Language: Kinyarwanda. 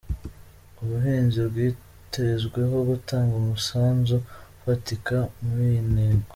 Ubuhinzi bwitezweho gutanga umusanzu ufatika muri iyi ntego.